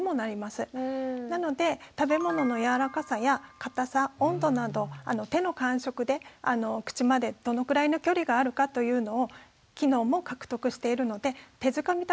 なので食べ物の柔らかさや固さ温度など手の感触で口までどのくらいの距離があるかというのを機能も獲得しているので手づかみ